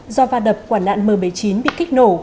do va đập quả nạn m bảy mươi chín bị kích nổ